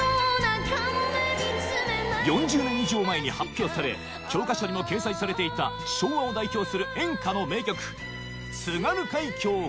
４０年以上前に発表され教科書にも掲載されていた昭和を代表する演歌の名曲